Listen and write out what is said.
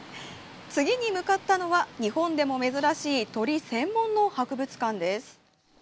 次に向かったのは日本でも珍しい鳥専門の博物館です。